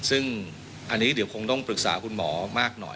ซึ่งอันนี้เดี๋ยวคงต้องปรึกษาคุณหมอมากหน่อย